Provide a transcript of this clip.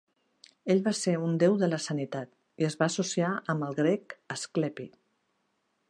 Ell va ser un Déu de la Sanitat i es va associar amb el grec Asclepi.